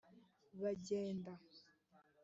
Bagenda